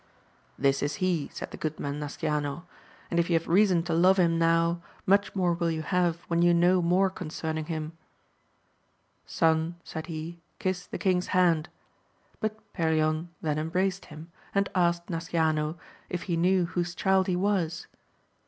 This is he, said the good man Nasciano, and if you have reason to love him now, much more will you have when you know more concerning him : Son, said he, kiss the king's hand ; but Perion then embraced him, and asked Nasciano if he knew whose child he was.